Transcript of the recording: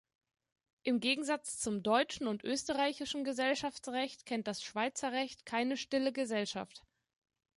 Im Gegensatz zum deutschen und österreichischen Gesellschaftsrecht kennt das Schweizer Recht keine Stille Gesellschaft.